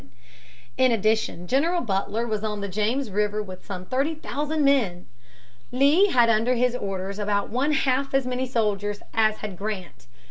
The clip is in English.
In addition General Butler was on the James River with some thirty thousand men. Lee had under his orders about one half as many soldiers as had Grant.